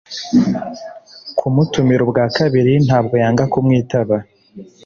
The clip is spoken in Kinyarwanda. kumutumira ubwa kabiri na bwo yanga kumwitaba